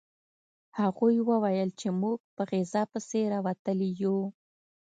هغوی وویل چې موږ په غذا پسې راوتلي یو